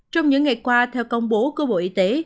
trong những ngày qua theo công bố của bộ y tế